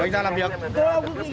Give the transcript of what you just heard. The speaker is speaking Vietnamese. anh ra làm việc